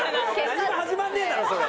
何も始まんねえだろそれ。